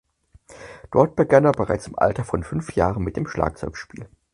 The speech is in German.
Dort begann er bereits im Alter von fünf Jahren mit dem Schlagzeugspiel.